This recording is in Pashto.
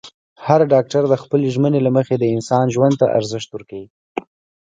هر ډاکټر د خپلې ژمنې له مخې د انسان ژوند ته ارزښت ورکوي.